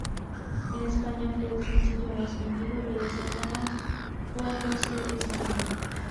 En España fue el sencillo más vendido de la semana cuando se estrenó.